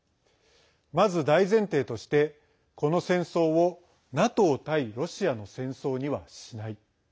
まず大前提としてこの戦争をＮＡＴＯ対ロシアの戦争にはしない。